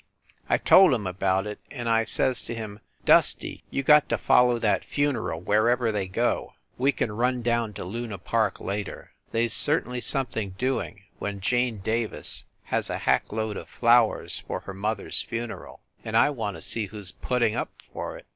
I told him about it, and I says to him, "Dusty, you got to follow that funeral wherever they go. We can run down to Luna Park later. They s certainly something doing when Jane Davis has a hack load of flowers for her mother s funeral, and I want to see who s putting up for it